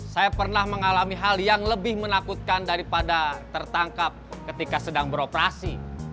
saya pernah mengalami hal yang lebih menakutkan daripada tertangkap ketika sedang beroperasi